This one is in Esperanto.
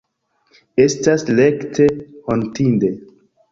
Estas rekte hontinde.